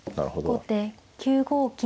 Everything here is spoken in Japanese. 後手９五金。